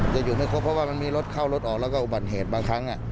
หยุดให้ครบเพราะว่ามันมีรถเข้ารถออกแล้วก็อุบัติเหตุบางครั้ง